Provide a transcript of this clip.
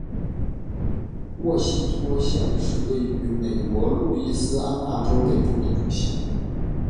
沃希托县是位于美国路易斯安那州北部的一个县。